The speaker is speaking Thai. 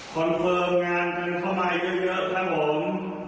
เฟิร์มงานกันเข้ามาเยอะครับผม